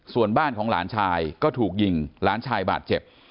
ส่วนบ้านของหลานชายก็ถูกยิงหลานชายบาดเจ็บ